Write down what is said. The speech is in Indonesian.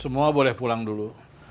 semua boleh pulang dulu